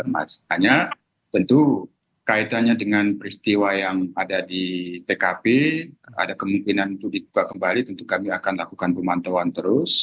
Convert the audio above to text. makanya tentu kaitannya dengan peristiwa yang ada di tkp ada kemungkinan untuk dibuka kembali tentu kami akan lakukan pemantauan terus